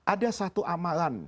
ada satu amalan